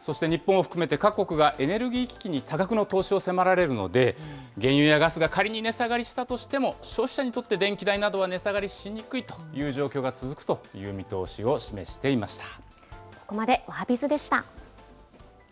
そして日本を含めて各国がエネルギー危機に多額の投資を迫られるので、原油やガスが仮に値下がりしたとしても、消費者にとって電気代は値下がりしにくいという状況が続くというここまでおはＢｉｚでした。